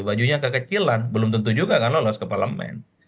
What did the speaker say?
bajunya kekecilan belum tentu juga kan lolos ke parlemen